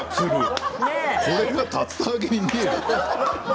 これは竜田揚げに見えるかな？